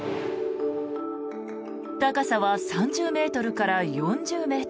高さは３０ｍから４０ｍ。